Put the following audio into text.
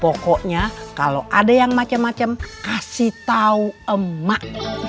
pokoknya kalau ada yang macem macem kasih tau emak